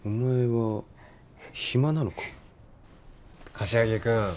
柏木君